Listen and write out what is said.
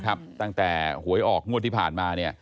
ตั้งแต่หวยออกงวดที่ผ่านมา